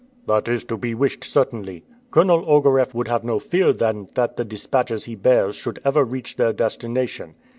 "That is to be wished, certainly. Colonel Ogareff would have no fear then that the dispatches he bears should ever reach their destination."